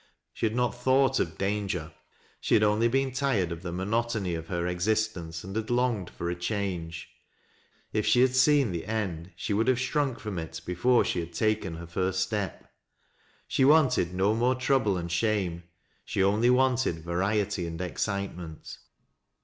She had not thought of dan ger. She had only been tired of the monotony of liei existence, and had longed for a change. If she had seen the end she would have shrunk from it before she had taken her first step. She wanted no more trouble and shame, she only wanted variety and excitement.